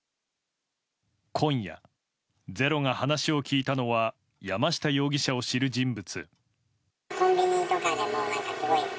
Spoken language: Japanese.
今夜「ｚｅｒｏ」が話を聞いたのは山下容疑者を知る人物。